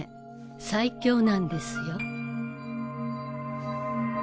最強なんですよ。